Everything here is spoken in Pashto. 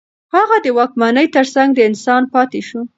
هغه د واکمنۍ ترڅنګ د انسان پاتې شو.